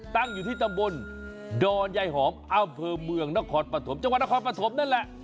ตั้งอยู่ที่ตำบลดอนยายหอมอำเภอเมืองนครปฐมจังหวัดนครปฐมนั่นแหละ